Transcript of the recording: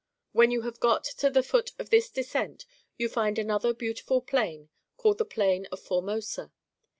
When you have got to the foot of this descent you find another beautiful plain called the Plain of Formosa.